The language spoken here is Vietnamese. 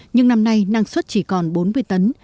nhưng năm nay năng suất chỉ còn bốn mươi tấn